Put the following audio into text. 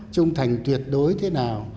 trung thành tuyệt đối thế nào